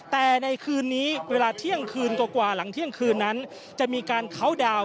แต่ในคืนนี้เวลาเที่ยงคืนกว่าหลังเที่ยงคืนนั้นจะมีการเคาน์ดาวน์